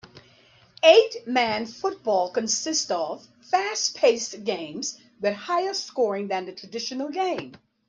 Eight-man football consists of fast-paced games with higher scoring than the traditional game.